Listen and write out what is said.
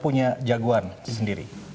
punya jagoan sendiri